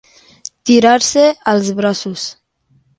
Tirar-se als braços.